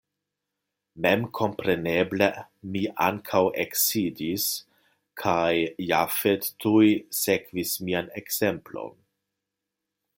Memkompreneble mi ankaŭ eksidis kaj Jafet tuj sekvis mian ekzemplon.